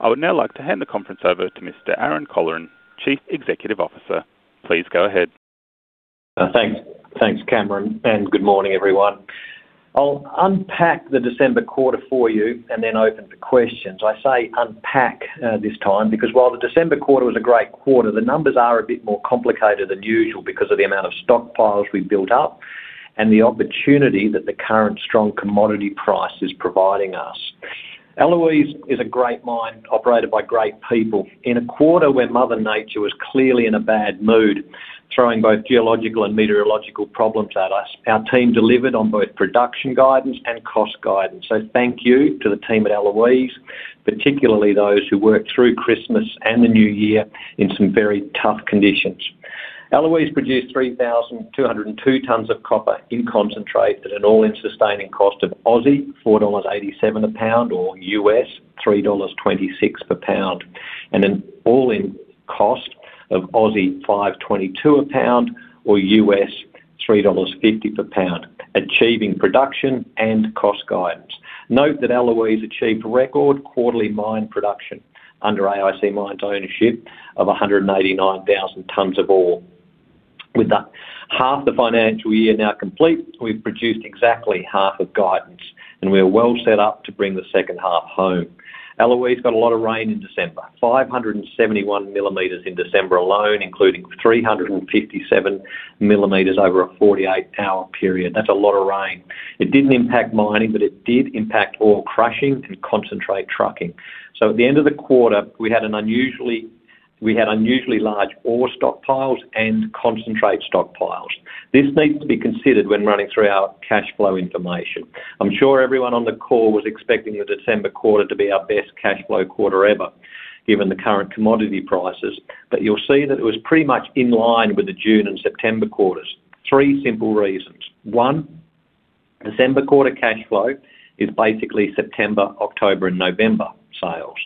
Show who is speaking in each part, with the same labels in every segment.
Speaker 1: I would now like to hand the conference over to Mr. Aaron Colleran, Chief Executive Officer. Please go ahead.
Speaker 2: Thanks. Thanks, Cameron, and good morning, everyone. I'll unpack the December quarter for you and then open to questions. I say unpack, this time because while the December quarter was a great quarter, the numbers are a bit more complicated than usual because of the amount of stockpiles we've built up and the opportunity that the current strong commodity price is providing us. Eloise is a great mine, operated by great people. In a quarter where Mother Nature was clearly in a bad mood, throwing both geological and meteorological problems at us, our team delivered on both production guidance and cost guidance. So thank you to the team at Eloise, particularly those who worked through Christmas and the New Year in some very tough conditions. Eloise produced 3,202 tons of copper in concentrate at an all-in sustaining cost of 4.87 Aussie dollars a pound, or $3.26 per pound, and an all-in cost of 5.22 a pound or $3.50 per pound, achieving production and cost guidance. Note that Eloise achieved record quarterly mine production under AIC Mines' ownership of 189,000 tons of ore. With that, half the financial year now complete, we've produced exactly half of guidance, and we're well set up to bring the second half home. Eloise got a lot of rain in December, 571 mm in December alone, including 357 mm over a 48-hour period. That's a lot of rain. It didn't impact mining, but it did impact ore crushing and concentrate trucking. So at the end of the quarter, we had unusually large ore stockpiles and concentrate stockpiles. This needs to be considered when running through our cash flow information. I'm sure everyone on the call was expecting the December quarter to be our best cash flow quarter ever, given the current commodity prices, but you'll see that it was pretty much in line with the June and September quarters. Three simple reasons: one, December quarter cash flow is basically September, October and November sales.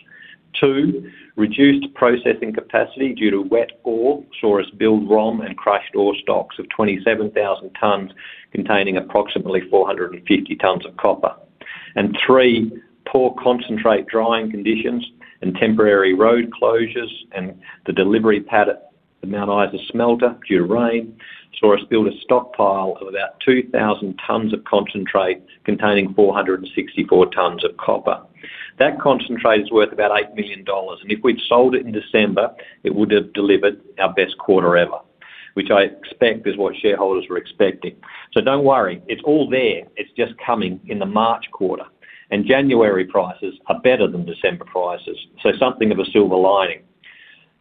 Speaker 2: Two, reduced processing capacity due to wet ore, saw us build ROM and crushed ore stocks of 27,000 tons, containing approximately 450 tons of copper. And three, poor concentrate drying conditions and temporary road closures, and the delivery pad at the Mount Isa smelter, due to rain, saw us build a stockpile of about 2,000 tons of concentrate, containing 464 tons of copper. That concentrate is worth about 8 million dollars, and if we'd sold it in December, it would have delivered our best quarter ever, which I expect is what shareholders were expecting. So don't worry, it's all there. It's just coming in the March quarter, and January prices are better than December prices, so something of a silver lining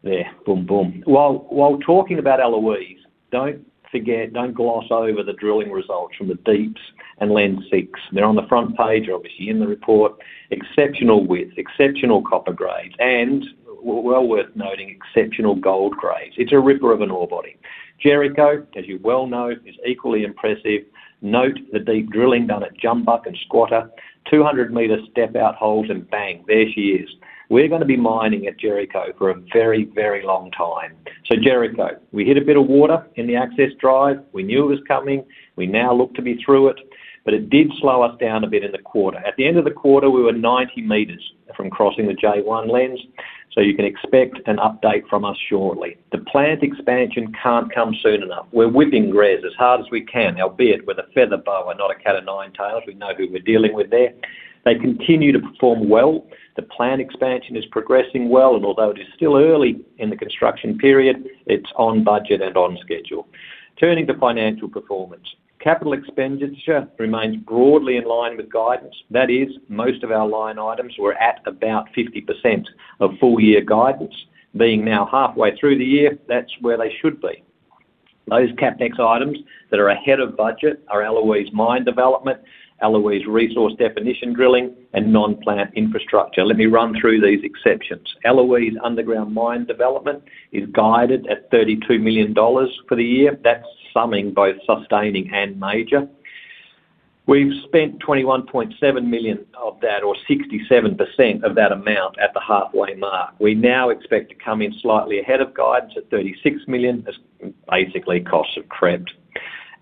Speaker 2: there. Boom, boom. While talking about Eloise, don't forget, don't gloss over the drilling results from the Deeps and Lens 6. They're on the front page, obviously, in the report. Exceptional width, exceptional copper grades, and well worth noting, exceptional gold grades. It's a ripper of an ore body. Jericho, as you well know, is equally impressive. Note the deep drilling done at Jumbuck and Squatter, 200 meters step out holes, and bang, there she is. We're gonna be mining at Jericho for a very, very long time. So Jericho, we hit a bit of water in the access drive. We knew it was coming. We now look to be through it, but it did slow us down a bit in the quarter. At the end of the quarter, we were 90 meters from crossing the J1 Lens, so you can expect an update from us shortly. The plant expansion can't come soon enough. We're whipping GRES as hard as we can, albeit with a feather bow and not a cat of nine tails. We know who we're dealing with there. They continue to perform well. The plant expansion is progressing well, and although it is still early in the construction period, it's on budget and on schedule. Turning to financial performance. Capital expenditure remains broadly in line with guidance. That is, most of our line items were at about 50% of full-year guidance. Being now halfway through the year, that's where they should be. Those CapEx items that are ahead of budget are Eloise mine development, Eloise resource definition drilling, and non-plant infrastructure. Let me run through these exceptions. Eloise underground mine development is guided at 32 million dollars for the year. That's summing both sustaining and major. We've spent 21.7 million of that, or 67% of that amount, at the halfway mark. We now expect to come in slightly ahead of guidance at 36 million, as basically costs have crept.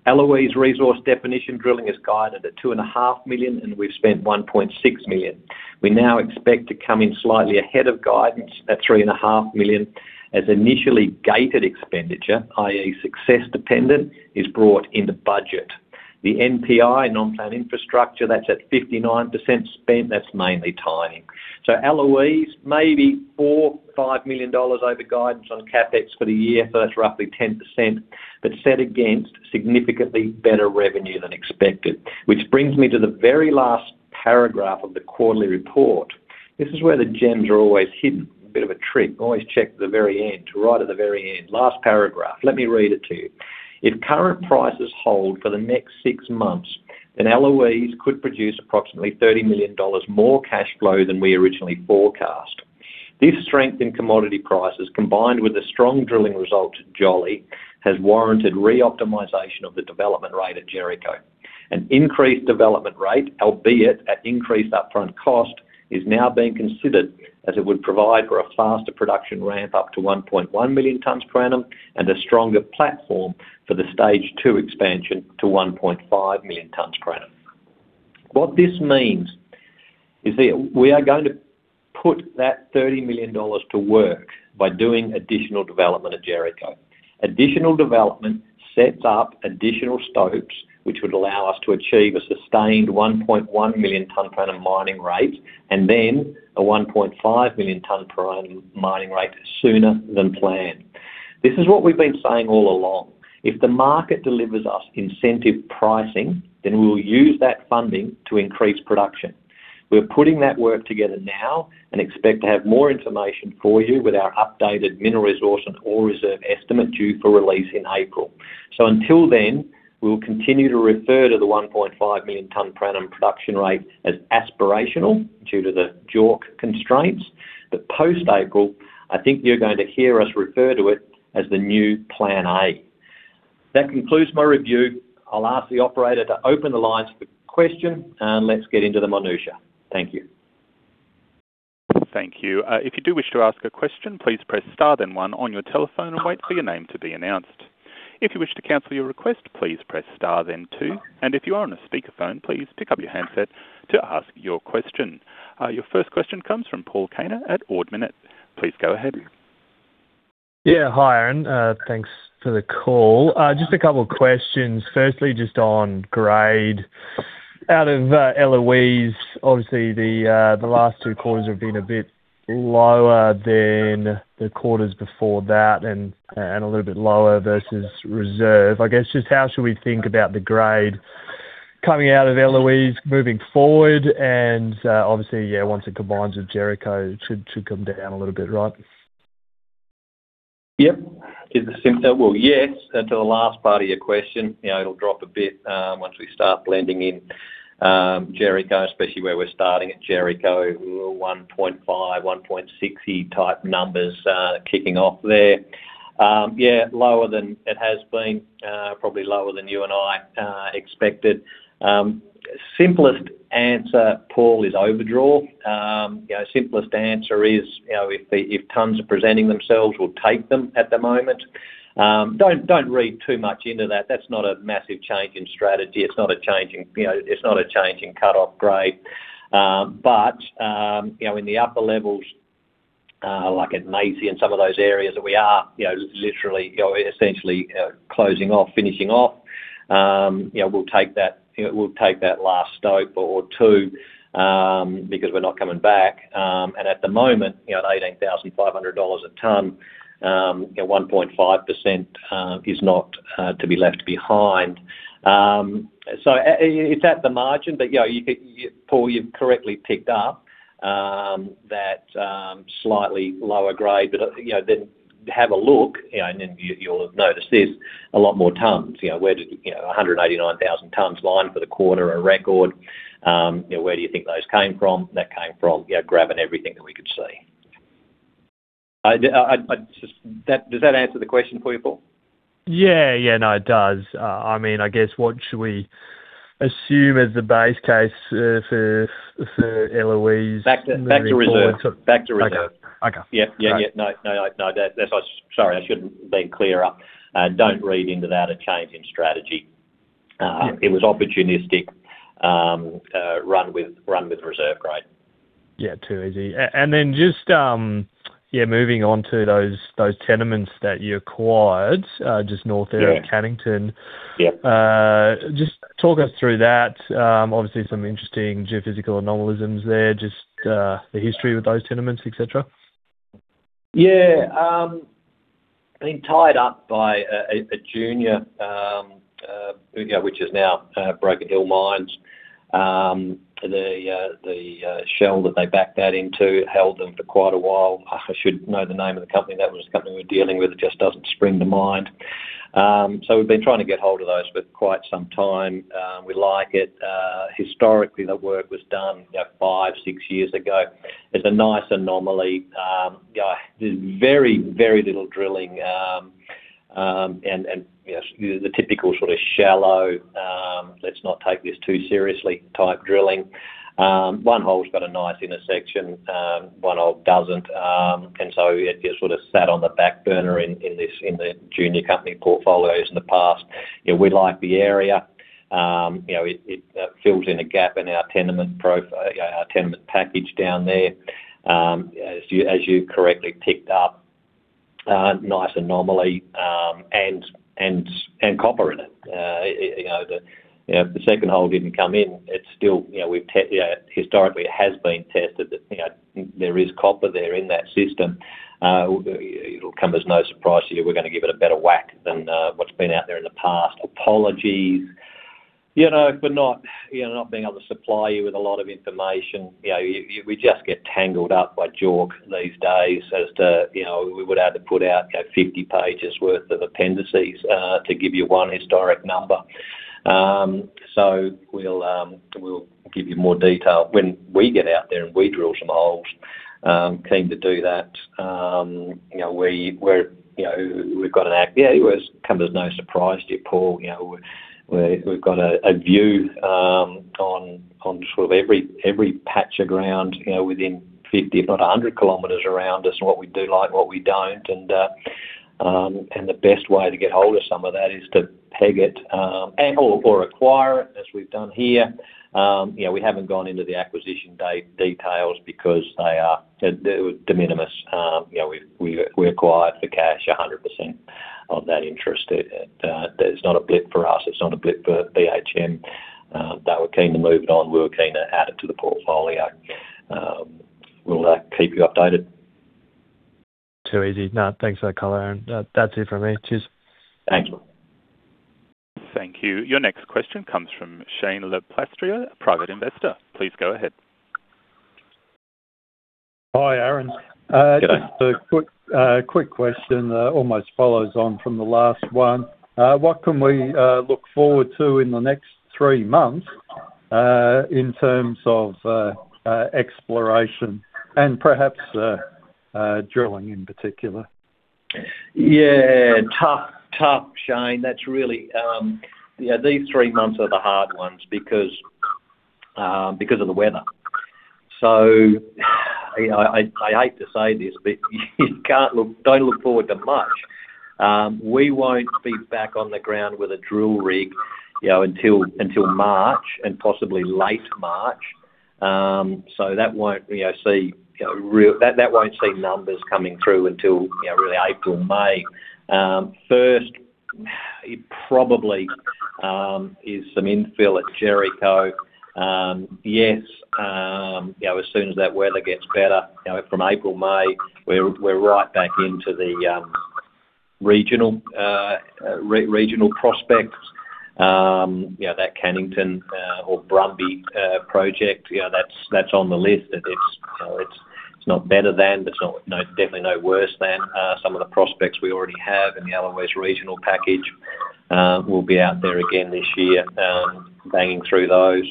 Speaker 2: Eloise resource definition drilling is guided at 2.5 million, and we've spent 1.6 million. We now expect to come in slightly ahead of guidance at 3.5 million, as initially gated expenditure, i.e., success dependent, is brought in the budget. The NPI, non-plant infrastructure, that's at 59% spent. That's mainly timing. So Eloise, maybe 4 million dollars, 5 million dollars over guidance on CapEx for the year, so that's roughly 10%, but set against significantly better revenue than expected. Which brings me to the very last paragraph of the quarterly report. This is where the gems are always hidden. Bit of a trick. Always check the very end, right at the very end. Last paragraph. Let me read it to you. If current prices hold for the next six months, then Eloise could produce approximately 30 million dollars more cash flow than we originally forecast. This strength in commodity prices, combined with the strong drilling results at Jumbuck, has warranted re-optimization of the development rate at Jericho. An increased development rate, albeit at increased upfront cost, is now being considered, as it would provide for a faster production ramp up to 1.1 million tons per annum, and a stronger platform for the stage two expansion to 1.5 million tons per annum."...What this means is that we are going to put that 30 million dollars to work by doing additional development at Jericho. Additional development sets up additional stopes, which would allow us to achieve a sustained 1.1 million tonne per annum mining rate, and then a 1.5 million tonne per annum mining rate sooner than planned. This is what we've been saying all along. If the market delivers us incentive pricing, then we will use that funding to increase production. We're putting that work together now and expect to have more information for you with our updated mineral resource and ore reserve estimate due for release in April. So until then, we'll continue to refer to the 1.5 million ton per annum production rate as aspirational due to the JORC constraints, but post-April, I think you're going to hear us refer to it as the new plan A. That concludes my review. I'll ask the operator to open the lines for question, and let's get into the minutiae. Thank you.
Speaker 1: Thank you. If you do wish to ask a question, please press star then one on your telephone and wait for your name to be announced. If you wish to cancel your request, please press star then two. If you are on a speakerphone, please pick up your handset to ask your question. Your first question comes from Paul Kaner at Ord Minnett. Please go ahead.
Speaker 3: Yeah. Hi, Aaron. Thanks for the call. Just a couple of questions. Firstly, just on grade. Out of Eloise, obviously, the last two quarters have been a bit lower than the quarters before that and a little bit lower versus reserve. I guess, just how should we think about the grade coming out of Eloise moving forward? And, obviously, yeah, once it combines with Jericho, it should come down a little bit, right?
Speaker 2: Yep. Well, yes, to the last part of your question, you know, it'll drop a bit, once we start blending in, Jericho, especially where we're starting at Jericho, we were 1.5, 1.60 type numbers, kicking off there. Yeah, lower than it has been, probably lower than you and I expected. Simplest answer, Paul, is overdraw. You know, simplest answer is, you know, if the, if tons are presenting themselves, we'll take them at the moment. Don't, don't read too much into that. That's not a massive change in strategy. It's not a change in, you know, it's not a change in cut-off grade. But, you know, in the upper levels, like at Maisie and some of those areas that we are, you know, literally, essentially, closing off, finishing off, you know, we'll take that, we'll take that last stope or two, because we're not coming back. And at the moment, you know, at AUD 18,500 a tonne, you know, 1.5%, is not to be left behind. So it's at the margin, but, you know, you, Paul, you've correctly picked up, that, slightly lower grade, but, you know, then have a look, and then you'll have noticed this, a lot more tonnes. You know, where did, you know, 189,000 tonnes line for the quarter, a record? You know, where do you think those came from? That came from, you know, grabbing everything that we could see. I just. Does that answer the question for you, Paul?
Speaker 3: Yeah, yeah, no, it does. I mean, I guess, what should we assume as the base case for Eloise?
Speaker 2: Back to reserve.
Speaker 3: Okay.
Speaker 2: Back to reserve.
Speaker 3: Okay.
Speaker 2: Yeah. Yeah, yeah. No, no, no, that's, sorry, I should have been clearer. Don't read into that a change in strategy.
Speaker 3: Yeah.
Speaker 2: It was opportunistic, run with, run with reserve grade.
Speaker 3: Yeah, too easy. And then just, yeah, moving on to those tenements that you acquired, just north-
Speaker 2: Yeah
Speaker 3: Of Cannington.
Speaker 2: Yep.
Speaker 3: Just talk us through that. Obviously, some interesting geophysical anomalies there, just the history with those tenements, et cetera.
Speaker 2: Yeah, being tied up by a junior, which is now Broken Hill Mines. The shell that they backed that into held them for quite a while. I should know the name of the company. That was a company we're dealing with. It just doesn't spring to mind. So we've been trying to get hold of those for quite some time. We like it. Historically, the work was done, you know, five, six years ago. There's a nice anomaly. You know, there's very, very little drilling, and you know, the typical sort of shallow, let's not take this too seriously, type drilling. One hole's got a nice intersection, one hole doesn't, and so it just sort of sat on the back burner in this junior company portfolios in the past. You know, we like the area. You know, it fills in a gap in our tenement package down there. As you correctly picked up, nice anomaly, and copper in it. You know, the second hole didn't come in. It's still, you know, historically, it has been tested that, you know, there is copper there in that system. It'll come as no surprise to you, we're gonna give it a better whack than what's been out there in the past. Apologies, you know, for not, you know, not being able to supply you with a lot of information. You know, we just get tangled up by JORC these days as to, you know, we would have to put out, you know, 50 pages worth of appendices to give you one historic number. So we'll give you more detail when we get out there and we drill some holes. Keen to do that. You know, we're, you know, Yeah, it comes as no surprise to you, Paul. You know, we've got a view on sort of every patch of ground, you know, within 50, if not 100 kilometers around us, and what we do like, what we don't, and- And the best way to get hold of some of that is to peg it or acquire it, as we've done here. You know, we haven't gone into the acquisition day details because they are de minimis. You know, we acquired for cash 100% of that interest. It, there's not a blip for us. It's not a blip for BHN. They were keen to move it on. We were keen to add it to the portfolio. We'll keep you updated.
Speaker 3: Too easy. No, thanks for that, coloring. That's it for me. Cheers.
Speaker 2: Thanks.
Speaker 1: Thank you. Your next question comes from Shane Le Plastrier, a private investor. Please go ahead.
Speaker 4: Hi, Aaron.
Speaker 2: G'day.
Speaker 4: Just a quick question, almost follows on from the last one. What can we look forward to in the next three months, in terms of exploration and perhaps drilling in particular?
Speaker 2: Yeah, tough. Tough, Shane. That's really, yeah, these three months are the hard ones because of the weather. So you know, I hate to say this, but you can't look, don't look forward to much. We won't be back on the ground with a drill rig, you know, until March, and possibly late March. So that won't see numbers coming through until really April, May. First, it probably is some infill at Jericho. Yes, you know, as soon as that weather gets better, you know, from April, May, we're right back into the regional prospects. You know, that Cannington or Brumby project, you know, that's on the list. It's, you know, it's not better than, but it's not definitely no worse than some of the prospects we already have in the Eloise regional package. We'll be out there again this year, banging through those.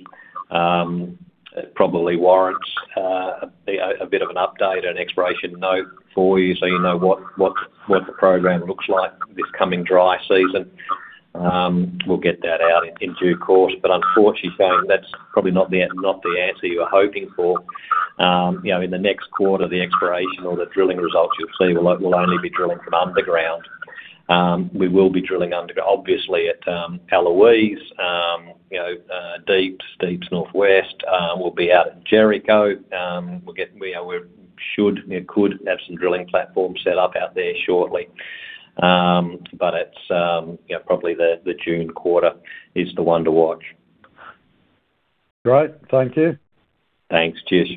Speaker 2: It probably warrants a bit of an update, an exploration note for you so you know what the program looks like this coming dry season. We'll get that out in due course, but unfortunately, Shane, that's probably not the answer you were hoping for. You know, in the next quarter, the exploration or the drilling results you'll see will only be drilling from underground. We will be drilling under, obviously, at Eloise, you know, Deeps North West. We'll be out at Jericho. We'll get, you know, we should, you know, could have some drilling platforms set up out there shortly. But it's, you know, probably the June quarter is the one to watch.
Speaker 4: Great. Thank you.
Speaker 2: Thanks. Cheers.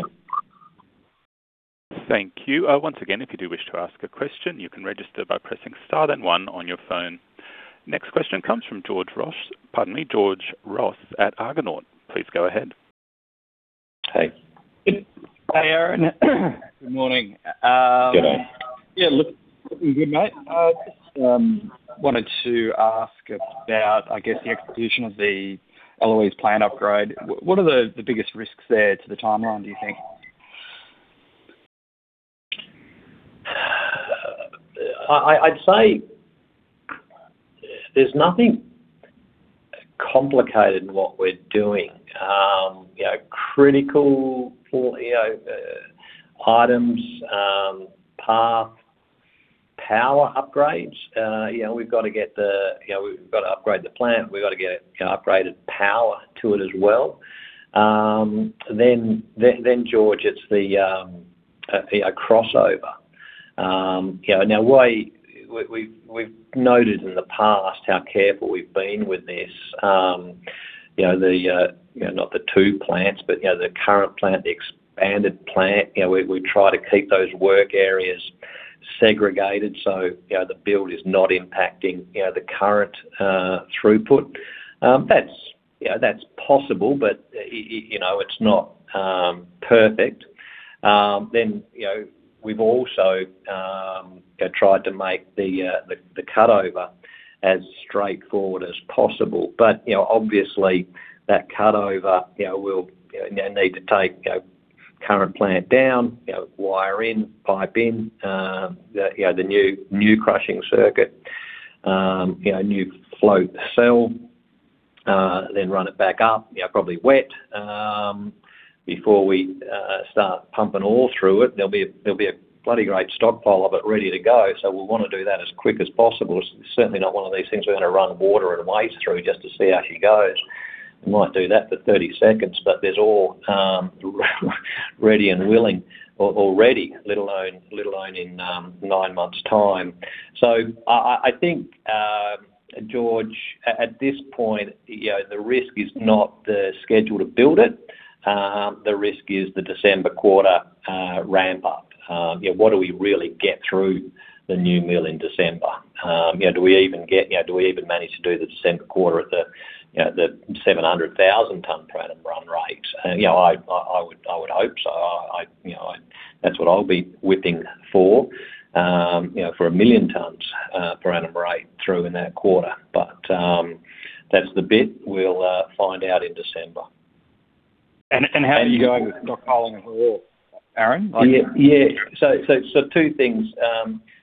Speaker 1: Thank you. Once again, if you do wish to ask a question, you can register by pressing star then one on your phone. Next question comes from George Ross at Argonaut. Please go ahead.
Speaker 5: Hey. Hey, Aaron. Good morning.
Speaker 2: G'day.
Speaker 5: Yeah, looking good, mate. Just wanted to ask about, I guess, the execution of the Eloise plant upgrade. What are the biggest risks there to the timeline, do you think?
Speaker 2: I'd say there's nothing complicated in what we're doing. You know, critical, you know, items, path, power upgrades. You know, we've got to get the, you know, we've got to upgrade the plant. We've got to get, you know, upgraded power to it as well. Then, George, it's the, you know, crossover. You know, now way... We've noted in the past how careful we've been with this. You know, the, you know, not the two plants, but, you know, the current plant, the expanded plant, you know, we try to keep those work areas segregated, so, you know, the build is not impacting, you know, the current, throughput. That's, you know, that's possible, but, you know, it's not, perfect. Then, you know, we've also, you know, tried to make the cutover as straightforward as possible. But, you know, obviously, that cutover, you know, will, you know, need to take, you know, current plant down, you know, wire in, pipe in, the new crushing circuit, you know, new float cell, then run it back up, you know, probably wet, before we start pumping ore through it. There'll be a bloody great stockpile of it ready to go, so we want to do that as quick as possible. It's certainly not one of these things we're gonna run water and waste through just to see how she goes. We might do that for 30 seconds, but there's all ready and willing already, let alone in 9 months' time. So I think, George, at this point, you know, the risk is not the schedule to build it. The risk is the December quarter ramp up. You know, what do we really get through the new mill in December? You know, do we even get, you know, do we even manage to do the December quarter at the, you know, the 700,000 ton per annum run rates? And, you know, I would hope so. You know, that's what I'll be whipping for, you know, for 1 million tons per annum rate through in that quarter. But, that's the bit we'll find out in December.
Speaker 5: How are you going with stockpiling ore, Aaron?
Speaker 2: Yeah, yeah. So, two things.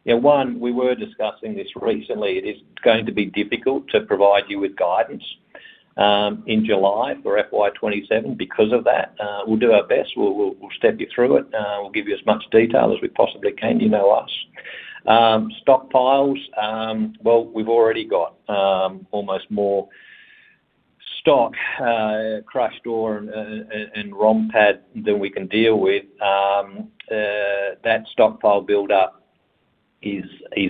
Speaker 2: You know, one, we were discussing this recently. It is going to be difficult to provide you with guidance in July for FY 2027 because of that. We'll do our best. We'll step you through it, we'll give you as much detail as we possibly can. You know us. Stockpiles, well, we've already got almost more stock, crushed ore and ROM pad than we can deal with. That stockpile buildup is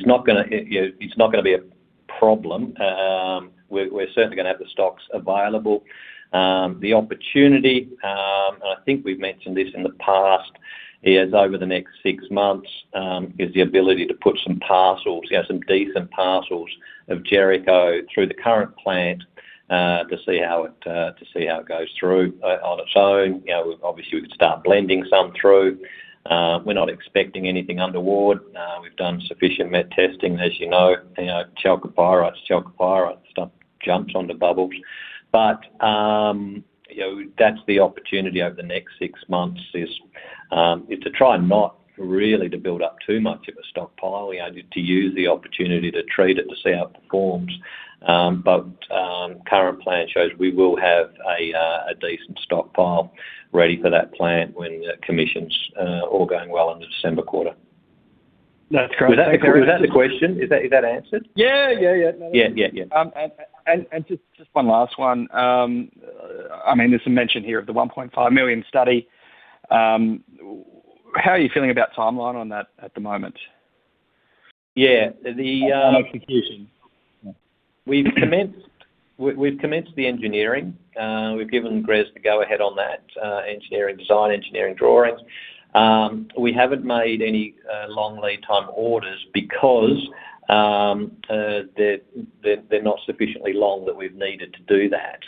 Speaker 2: not gonna, you know, it's not gonna be a problem. We're certainly gonna have the stocks available. The opportunity, and I think we've mentioned this in the past, is over the next six months, is the ability to put some parcels, you know, some decent parcels of Jericho through the current plant, to see how it, to see how it goes through on its own. You know, obviously, we could start blending some through. We're not expecting anything untoward. We've done sufficient met testing, as you know, you know, chalcopyrite, chalcopyrite, stuff jumps on the bubbles. But, you know, that's the opportunity over the next six months, is to try and not really to build up too much of a stockpile. We only to use the opportunity to treat it, to see how it performs. Current plan shows we will have a decent stockpile ready for that plant when the commissioning's all going well in the December quarter.
Speaker 5: That's great.
Speaker 2: Was that the question? Is that, is that answered?
Speaker 5: Yeah, yeah, yeah.
Speaker 2: Yeah, yeah, yeah.
Speaker 5: Just one last one. I mean, there's some mention here of the 1.5 million study. How are you feeling about timeline on that at the moment?
Speaker 2: Yeah, the
Speaker 5: Execution.
Speaker 2: We've commenced the engineering. We've given GRES the go ahead on that, engineering design, engineering drawings. We haven't made any long lead time orders because they're not sufficiently long that we've needed to do that.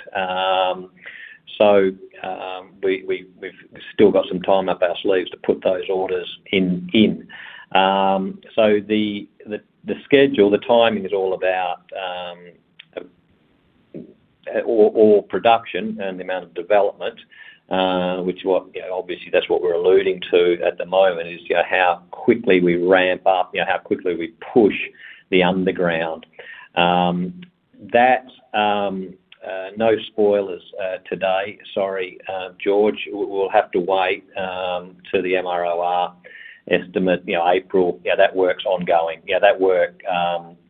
Speaker 2: So we've still got some time up our sleeves to put those orders in. So the schedule, the timing is all about production and the amount of development, which, you know, obviously, that's what we're alluding to at the moment, is, yeah, how quickly we ramp up, you know, how quickly we push the underground. That's no spoilers today. Sorry, George, we'll have to wait to the MRR estimate, you know, April. Yeah, that work's ongoing. Yeah, that work,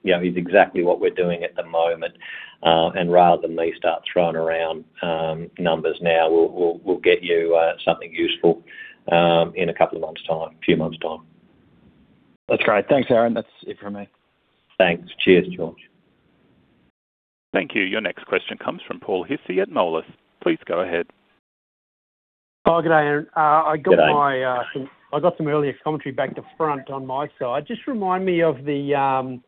Speaker 2: you know, is exactly what we're doing at the moment. And rather than me start throwing around, numbers now, we'll get you, something useful, in a couple of months' time, few months' time.
Speaker 5: That's great. Thanks, Aaron. That's it from me.
Speaker 2: Thanks. Cheers, George.
Speaker 1: Thank you. Your next question comes from Paul Hissey at Moelis. Please go ahead.
Speaker 6: Oh, g'day, Aaron.
Speaker 2: G'day.
Speaker 6: I got some early commentary back to front on my side. Just remind me of the, I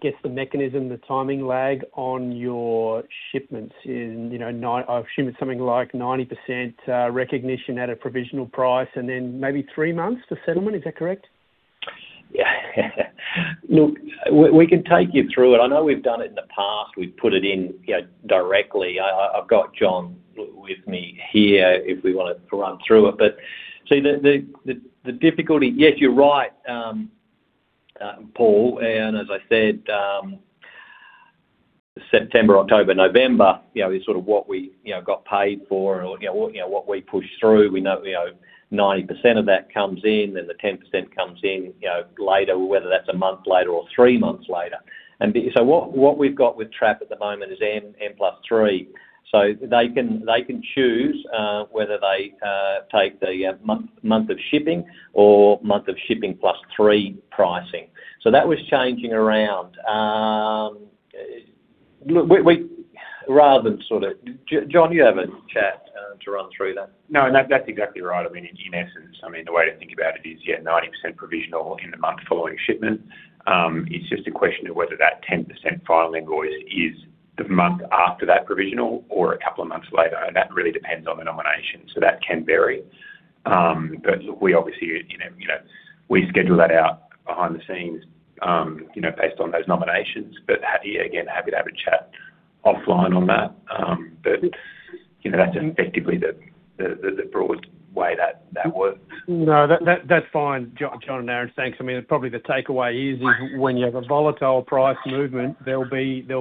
Speaker 6: guess, the mechanism, the timing lag on your shipments in, you know, 90% recognition at a provisional price, and then maybe three months to settlement. Is that correct?
Speaker 2: Yeah. Look, we can take you through it. I know we've done it in the past. We've put it in, you know, directly. I've got John with me here if we want to run through it. But see, the difficulty... Yes, you're right, Paul, and as I said, September, October, November, you know, is sort of what we, you know, got paid for and, you know, what we pushed through. We know, you know, 90% of that comes in, and the 10% comes in, you know, later, whether that's a month later or three months later. And so what we've got with Traf at the moment is N plus three. So they can choose whether they take the month of shipping or month of shipping plus three pricing. So that was changing around. Look, we— rather than sort of... John, you have a chat to run through that.
Speaker 7: No, that, that's exactly right. I mean, in essence, I mean, the way to think about it is, yeah, 90% provisional in the month following shipment. It's just a question of whether that 10% filing invoice is the month after that provisional or a couple of months later, and that really depends on the nomination, so that can vary. But we obviously, you know, you know, we schedule that out behind the scenes, you know, based on those nominations. But happy, again, happy to have a chat offline on that. But, you know, that's effectively the broad way that works.
Speaker 6: No, that's fine, John and Aaron. Thanks. I mean, probably the takeaway is when you have a volatile price movement, there'll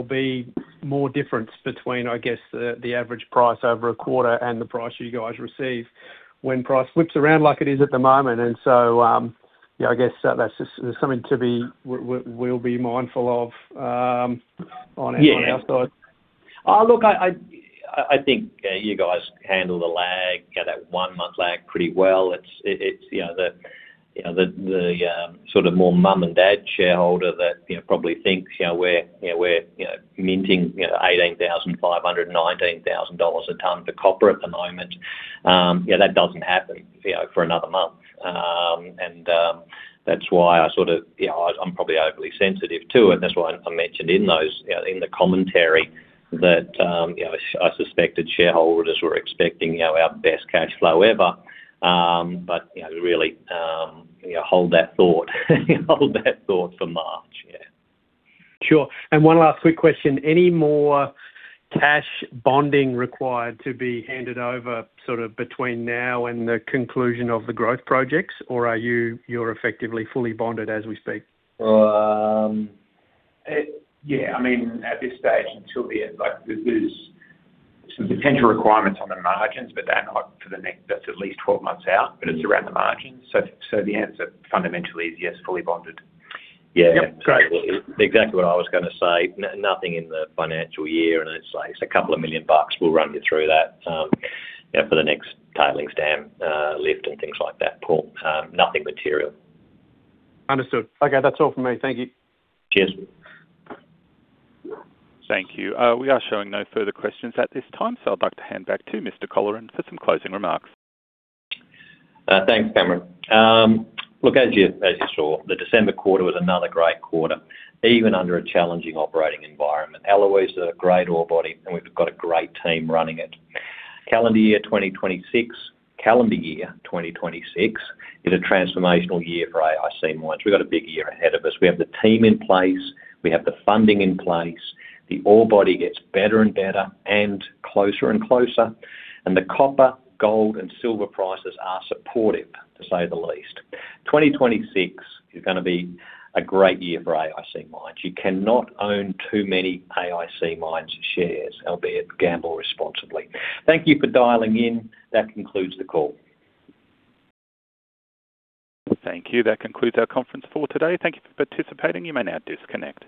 Speaker 6: be more difference between, I guess, the average price over a quarter and the price you guys receive when price flips around like it is at the moment. And so, you know, I guess that's just something to be we'll be mindful of, on our-
Speaker 2: Yeah...
Speaker 6: on our side.
Speaker 2: Look, I think you guys handle the lag, you know, that one-month lag pretty well. It's you know, the sort of more mom and dad shareholder that, you know, probably thinks, you know, we're minting, you know, 18,500-19,000 dollars a ton for copper at the moment. You know, that doesn't happen, you know, for another month. And that's why I sort of, you know, I'm probably overly sensitive to it. That's why I mentioned in those, you know, in the commentary that, you know, I suspected shareholders were expecting, you know, our best cash flow ever. But you know, really, you know, hold that thought. Hold that thought for March. Yeah.
Speaker 6: Sure. One last quick question, any more cash bonding required to be handed over, sort of between now and the conclusion of the growth projects, or are you, you're effectively fully bonded as we speak?
Speaker 2: Um-
Speaker 7: Yeah, I mean, at this stage, until the end, like, there's some potential requirements on the margins, but they're not for the next.. That's at least 12 months out, but it's around the margins. So, so the answer fundamentally is, yes, fully bonded.
Speaker 2: Yeah.
Speaker 6: Great.
Speaker 2: Well, exactly what I was gonna say. Nothing in the financial year, and it's like, it's $2 million. We'll run you through that, you know, for the next tailings dam, lift and things like that, Paul. Nothing material.
Speaker 6: Understood. Okay. That's all from me. Thank you.
Speaker 2: Cheers.
Speaker 1: Thank you. We are showing no further questions at this time, so I'd like to hand back to Mr. Colleran for some closing remarks.
Speaker 2: Thanks, Cameron. Look, as you, as you saw, the December quarter was another great quarter, even under a challenging operating environment. Eloise is a great ore body, and we've got a great team running it. Calendar year 2026, calendar year 2026, is a transformational year for AIC Mines. We've got a big year ahead of us. We have the team in place, we have the funding in place, the ore body gets better and better and closer and closer, and the copper, gold, and silver prices are supportive, to say the least. 2026 is gonna be a great year for AIC Mines. You cannot own too many AIC Mines shares, albeit gamble responsibly. Thank you for dialing in. That concludes the call.
Speaker 1: Thank you. That concludes our conference call today. Thank you for participating. You may now disconnect.